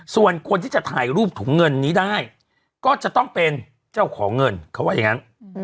ส่วนคนที่จะถ่ายรูปถุงเงินนี้ได้ก็จะต้องเป็นเจ้าของเงินเขาว่าอย่างนั้น